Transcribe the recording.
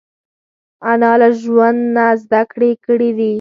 انا له ژوند نه زده کړې کړې دي